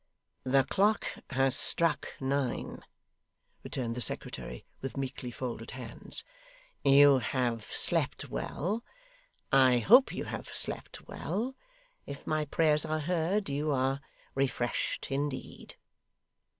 'The clock has struck nine,' returned the secretary, with meekly folded hands. 'You have slept well? I hope you have slept well? If my prayers are heard, you are refreshed indeed.